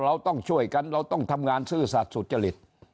เราต้องช่วยกันเราต้องทำงานซื่อสัตว์สุจริต